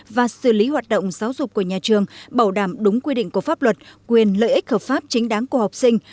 và xử lý hoạt động giáo dục của nhà trường bảo đảm đúng quy định của pháp luật quyền lợi ích hợp pháp chính đáng của học sinh